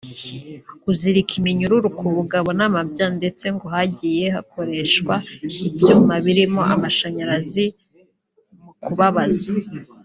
kuzirika iminyururu ku bugabo n’amabya ndetse ngo hagiye hakoreshwa n’ibyuma birimo amashanyarazi mu kubabaza